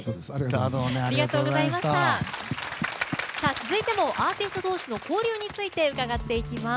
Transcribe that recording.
続いてもアーティスト同士の交流について伺っていきます。